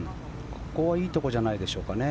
ここはいいところじゃないですかね。